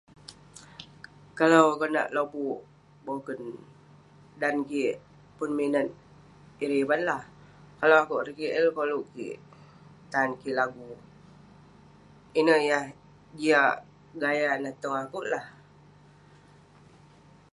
Kalau konak lobuk boken, dan kik minat ireh ivan lah, kalau akouk Ricky El koluk kik, tan kik lagu. Ineh yah jiak gaya neh tong akouk lah.